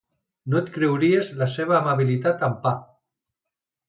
No et creuries la seva amabilitat amb Pa.